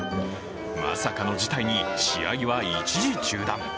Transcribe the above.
まさかの事態に試合は一時中断。